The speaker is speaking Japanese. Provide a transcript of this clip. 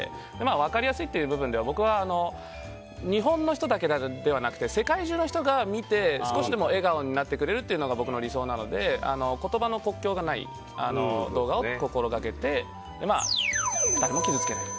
分かりやすいという部分では僕は、日本の人だけではなくて世界中の人が見て、少しでも笑顔になってくれるというのが僕の理想なので言葉の国境がない動画を心がけて誰も傷つけない。